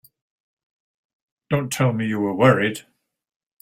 Don't tell me you were worried!